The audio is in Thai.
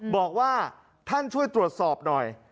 บอกว่าท่านช่วยตรวจสอบหน่อย